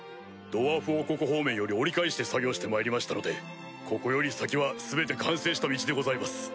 ドワーフ王国方面より折り返して作業してまいりましたのでここより先は全て完成した道でございます。